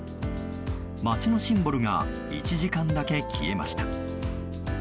街のシンボルが１時間だけ消えました。